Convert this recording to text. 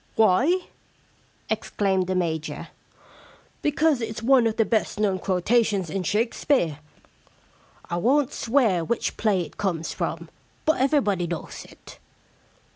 * Why ?' exclaimed the Major. * Because it's one of the best known quotations in Shakespeare. I won't swear which play it comes from, but everybody knows it.